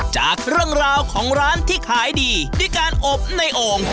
จากเรื่องราวของร้านที่ขายดีด้วยการอบในโอ่ง